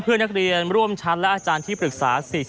เพื่อนักเรียนร่วมชั้นและอาจารย์ที่ปรึกษา๔๔